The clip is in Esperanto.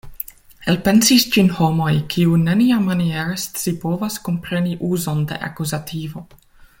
Elpensis ĝin homoj kiuj neniamaniere scipovas kompreni uzon de akuzativo.